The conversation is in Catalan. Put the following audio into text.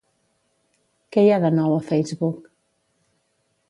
Què hi ha de nou a Facebook?